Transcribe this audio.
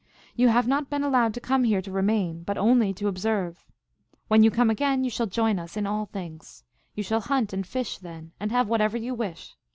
You have not been allowed to come here to remain, but only to observe. When you come again, you shall join us in all things. You shall hunt and fish then, and have whatever you wish.